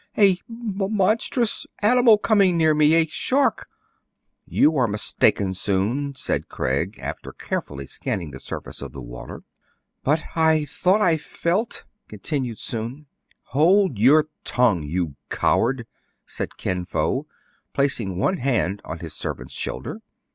A monstrous animal coming near me, — a shark !" "You are mistaken, Soun," said Craig, after carefully scanning the surface of the water. " But I thought I felt "— continued Soun. " Hold your tongue, you coward !*' said Kin Fo, placing one hand on his servant's shoulder.